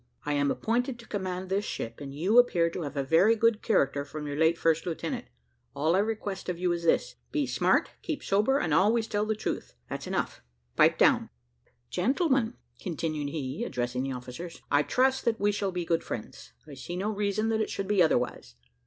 I am appointed to command this ship, and you appear to have a very good character from your late first lieutenant. All I request of you is this: be smart, keep sober, and always tell the truth that's enough. Pipe down. Gentlemen," continued he, addressing the officers, "I trust that we shall be good friends; and I see no reason that it should be otherwise."